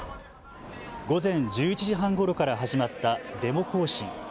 午前１１時半ごろから始まったデモ行進。